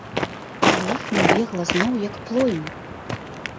Але іх набегла зноў як плоймы.